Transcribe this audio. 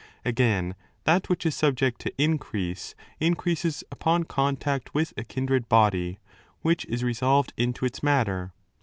Again, that which is subject to increase increases upon contact with a kindred body, which is resolved into its matter.